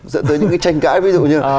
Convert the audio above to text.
dẫn tới những cái tranh cãi ví dụ như